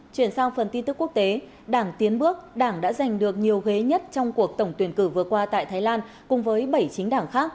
chuyển sang phần tin tức quốc tế đảng tiến bước đảng đã giành được nhiều ghế nhất trong cuộc tổng tuyển cử vừa qua tại thái lan cùng với bảy chính đảng khác